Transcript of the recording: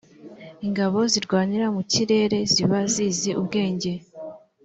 ingabo zirwanira mu kirere zibazizi ubwenge.